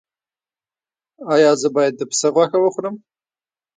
ایا زه باید د پسې غوښه وخورم؟